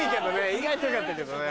意外とよかったけどね。